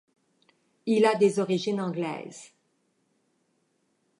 Il a des origines anglaises.